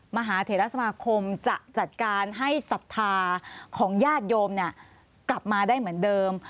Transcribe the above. มหาเถระสมาคมจะจัดการให้ศรัทธาของญาติโยมกลับมาได้เหมือนเดิม